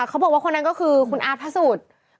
เขาบอกว่าคนอื่นคือคุณอ้ากเป้าจริง